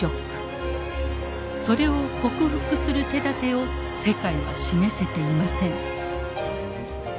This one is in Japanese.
それを克服する手だてを世界は示せていません。